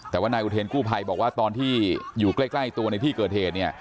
แต่ว่านายเกอร์เทรนกู้ไพรบอกว่าตอนที่อยู่ใกล้ตัวในพี่เกอร์เทรน